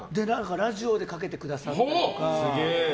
ラジオでかけてくださったりとか。